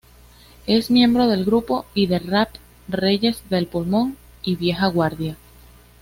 Es miembro del grupo de rap "Reyes del Pulmón" y "Vieja Guardia".